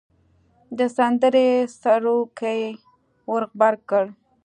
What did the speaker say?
د سندرې سروکی ور غبرګ کړ.